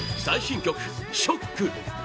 最新曲「ショック！」